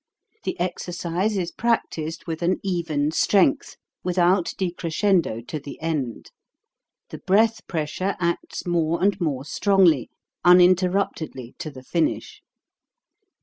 The exercise is practised with an even strength, without decrescendo to the end; the breath pressure acts more and more strongly, unin terruptedly to the finish.